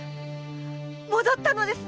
戻ったのですね？